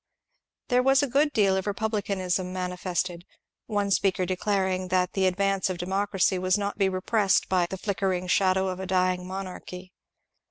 There was a good deal of republicanism manifested, one speaker declaring that the advance of democracy was not to be repressed " by the flickering shadow of a dying monarchy."